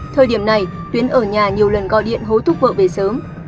thời điểm này tuyến ở nhà nhiều lần gọi điện hối thúc vợ về sớm